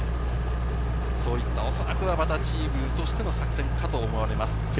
そういった、おそらくはチームとしての作戦かと思われます。